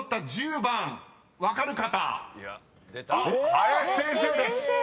林先生です］